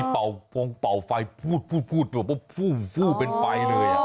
เปล่าไฟฟู้ดปุ๊บฟู้เป็นไฟเลย